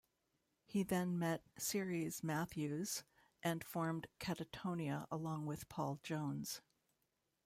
He then met Cerys Matthews and formed Catatonia along with Paul Jones.